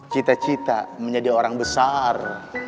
cita cita menjadi orang besar